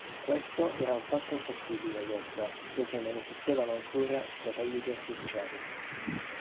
Questo era un fatto impossibile all'epoca, poiché non esistevano ancora i satelliti artificiali.